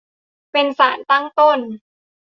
เป็นสารตั้งต้น